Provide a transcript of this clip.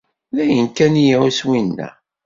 D ayen kan i iɛuss winna.